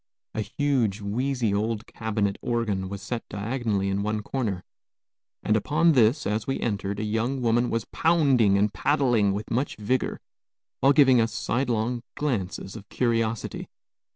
A huge, wheezy old cabinet organ was set diagonally in one corner, and upon this, as we entered, a young woman was pounding and paddling with much vigor, while giving us sidelong glances of curiosity.